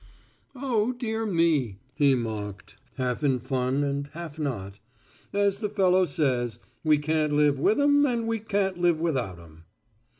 "Oh, dear me," he mocked, half in fun and half not, "as the fellow says, 'we can't live with 'em and we can't live without 'em.'"